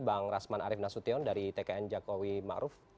bang rasman arief nasution dari tkn jokowi ma'ruf